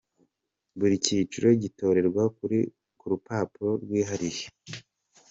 Buri cyiciro gitorerwa ku rupapuro rwihariye.